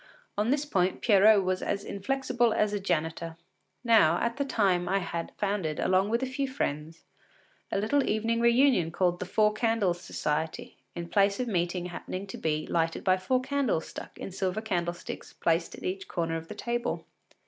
On this point Pierrot was as inflexible as a janitor. Now, at that time I had founded, along with a few friends, a little evening reunion called “The Four Candles Society,” the place of meeting happening to be lighted by four candles stuck in silver candlesticks placed at each corner of the table.